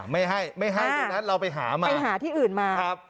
ไม่ให้ไม่ให้ตรงนั้นเราไปหามาไปหาที่อื่นมาครับ